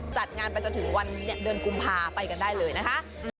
จัดงานประจำถุวันเนี่ยเดือนกุมภาไปกันได้เลยนะคะ